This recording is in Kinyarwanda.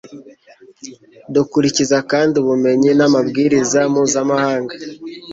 Dukurikiza kandi ubumenyi n'amabwiriza mpuzamahanga